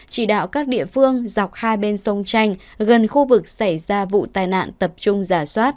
chỉ đạo các địa phương dọc hai bên sông chanh gần khu vực xảy ra vụ tai nạn tập trung giả soát